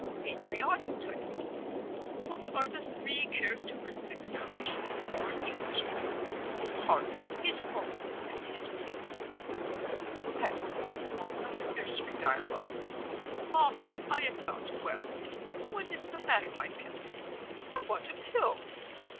Patriotic Title: 'What are the three characteristics of a true born Englishman? His Hearth, his Home, and his Pill.' Title in the form of a nursery dialogue: 'Mamma, I am not well.' 'What is the matter, my pet?' 'I want a little Pill.